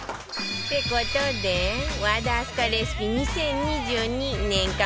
って事で和田明日香レシピ２０２２年間